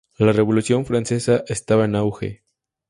La Revolución francesa estaba en auge.